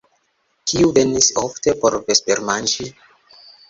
Kiu venis ofte por vespermanĝi?